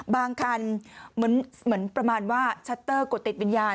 คันเหมือนประมาณว่าชัตเตอร์กดติดวิญญาณ